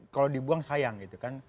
kalau dibuang sayang gitu kan